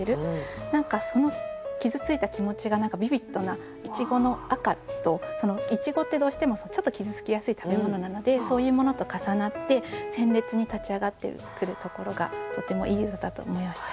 何かその傷ついた気持ちがビビッドないちごの赤といちごってどうしてもちょっと傷つきやすい食べ物なのでそういうものと重なって鮮烈に立ち上がってくるところがとてもいい歌だと思いました。